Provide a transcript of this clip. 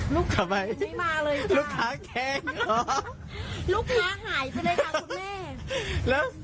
ลูกค้าไม่มาเลยค่ะลูกค้าแข็งลูกค้าหายไปเลยค่ะคุณแม่แล้ว